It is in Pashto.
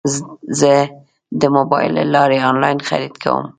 زه د موبایل له لارې انلاین خرید کوم.